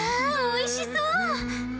おいしそう！